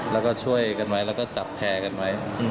แล้วก็ช่วยกันไว้แล้วก็จับแพร่กันไว้